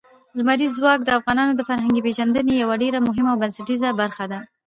لمریز ځواک د افغانانو د فرهنګي پیژندنې یوه ډېره مهمه او بنسټیزه برخه ده.